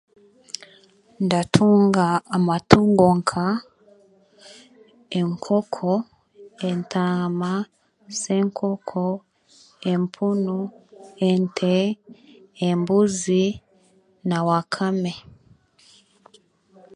Ndatunga amatungo nka enkoko, entaama, senkoko, empunu, ente, embuzi na wakame.